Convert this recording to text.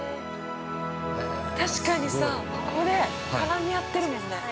確かにさ、ここで絡み合ってるもんね。